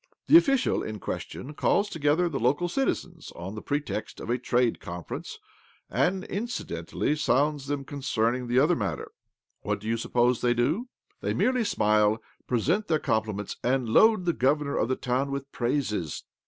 The official in question calls together the local citizens, on the pretext of a trade conference, and inci dentally sounds them concerning the other matter . And what do you suppose they do ? They merely smile, present their compli ments, and load the governor of the town with praises